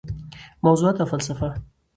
موضوعات او فلسفه: